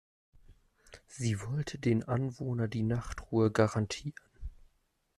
Sie wollte den Anwohner die Nachtruhe garantieren.